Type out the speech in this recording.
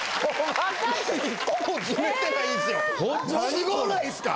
すごないすか？